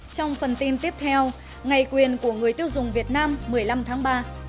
trong phần tin tiếp theo ngày quyền của người tiêu dùng việt nam một mươi năm tháng ba